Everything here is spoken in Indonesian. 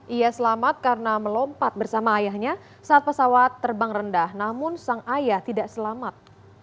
ia selamat karena melompat bersama ayahnya saat pesawat terbang rendah namun sang ayah tidak selamat